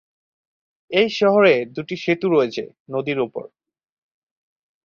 এই শহরে দুটি সেতু রয়েছে নদীর উপর।